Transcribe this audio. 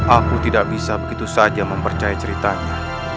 aku tidak bisa begitu saja mempercaya ceritanya